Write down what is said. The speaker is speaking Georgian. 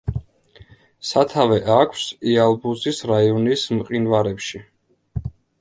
სათავე აქვს იალბუზის რაიონის მყინვარებში.